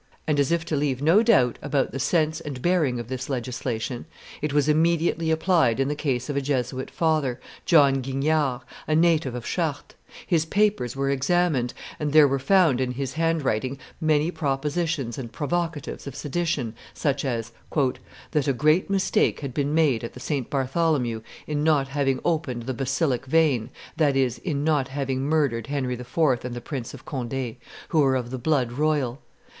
And as if to leave no doubt about the sense and bearing of this legislation, it was immediately applied in the case of a Jesuit father, John Guignard, a native of Chartres; his papers were examined, and there were found in his handwriting many propositions and provocatives of sedition, such as, "That a great mistake had been made at the St. Bartholomew in not having opened the basilic vein, that is, in not having murdered Henry IV. and the Prince of Conde, who were of the blood royal; 2.